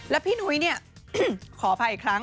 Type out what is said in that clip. และพี่นุ้ยขออภัยอีกครั้ง